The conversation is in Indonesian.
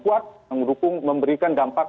kuat yang mendukung memberikan dampak